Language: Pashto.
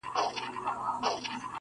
لا لکه غر پر لمن کاڼي لري-